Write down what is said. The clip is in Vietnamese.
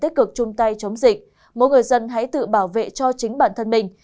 tích cực chung tay chống dịch mỗi người dân hãy tự bảo vệ cho chính bản thân mình